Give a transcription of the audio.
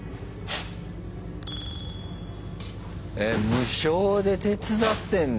無償で手伝ってんだ。